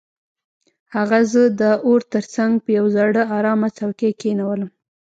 هغه زه د اور تر څنګ په یو زاړه ارامه څوکۍ کښینولم